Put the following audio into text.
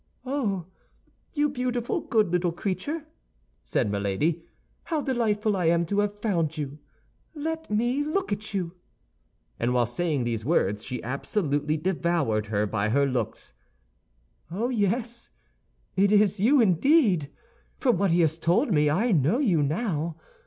"Oh, you beautiful, good little creature!" said Milady. "How delighted I am to have found you! Let me look at you!" and while saying these words, she absolutely devoured her by her looks. "Oh, yes it is you indeed! From what he has told me, I know you now.